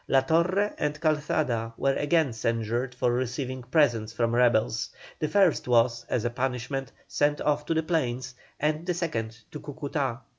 La Torre and Calzada were again censured for receiving presents from rebels; the first was, as a punishment, sent off to the plains, and the second to Cúcuta.